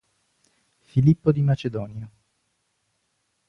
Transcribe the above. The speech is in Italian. Filippo di Macedonia